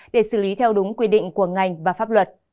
để xử lý theo đúng quy định của ngành và pháp luật